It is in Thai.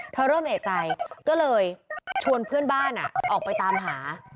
เริ่มเอกใจก็เลยชวนเพื่อนบ้านออกไปตามหา